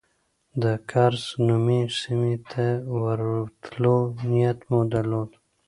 د کرز نومي سیمې ته د ورتلو نیت مو درلود.